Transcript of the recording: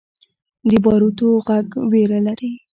د باروتو غږ ویره لري.